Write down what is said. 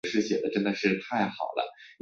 大部份物种会发生两性异形。